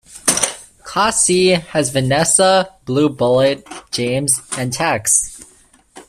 Class C has Vanessa, Blue Bullet, James, and Tex.